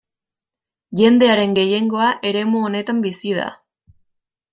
Jendearen gehiengoa eremu honetan bizi da.